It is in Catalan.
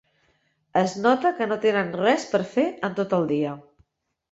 Es nota que no tenen res per fer en tot el dia.